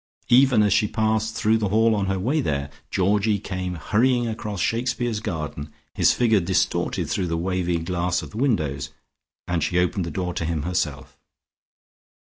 Even as she passed through the hall on her way 'there, Georgie came hurrying across Shakespeare's garden, his figure distorted through the wavy glass of the windows, and she opened the door to him herself.